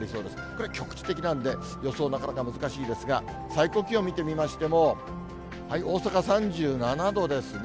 これ、局地的なんで、予想、なかなか難しいですが、最高気温見てみましても、大阪３７度ですね。